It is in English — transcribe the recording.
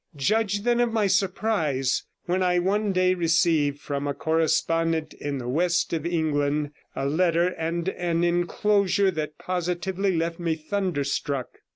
Judge, then, of my surprise when I one day received from a correspondent in the west of England a letter and an enclosure that positively left me thunderstruck.